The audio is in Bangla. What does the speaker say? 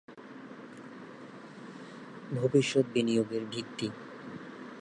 গ. ভবিষ্যৎ বিনিয়োগের ভিত্তি